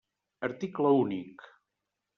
Article únic.